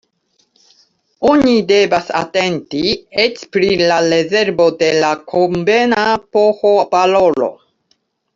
Oni devas atenti eĉ pri la rezervo de la konvena pH-valoro.